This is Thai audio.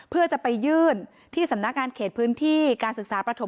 เพื่อจะไปยื่นที่สำนักงานเขตพื้นที่การศึกษาประถม